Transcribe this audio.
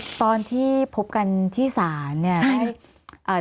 ตอนที่พบกันที่ศาลเนี่ย